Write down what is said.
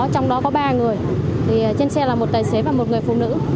trong đó có ba người trên xe là một tài xế và một người phụ nữ